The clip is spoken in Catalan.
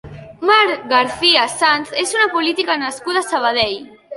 Mar Garcia Sanz és una política nascuda a Sabadell.